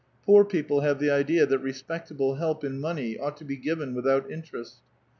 Poor people have the idea respectable help in money ought to be given without in rest.